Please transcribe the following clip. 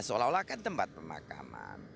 seolah olah kan tempat pemakaman